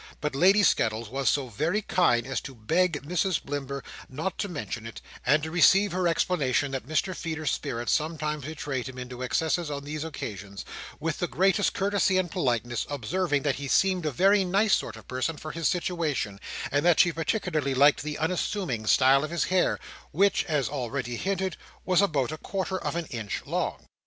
But Lady Skettles was so very kind as to beg Mrs Blimber not to mention it; and to receive her explanation that Mr Feeder's spirits sometimes betrayed him into excesses on these occasions, with the greatest courtesy and politeness; observing, that he seemed a very nice sort of person for his situation, and that she particularly liked the unassuming style of his hair—which (as already hinted) was about a quarter of an inch long.